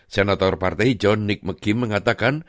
senator partai hijau nick mcgim mengatakan